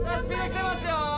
きてますよ